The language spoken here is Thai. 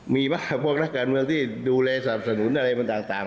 มีมากพวกนักการเมืองที่ดูแลส่าวสนุนอะไรต่าง